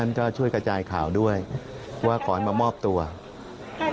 มันก็จะนะครับเรามีความหวังนะคะว่าจะสามารถชัดสุด